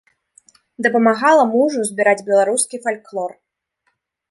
Дапамагала мужу збіраць беларускі фальклор.